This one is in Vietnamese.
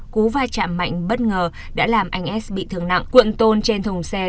cú va chạm mạnh bất ngờ đã làm anh s bị thương nặng cuộn tôn trên thùng xe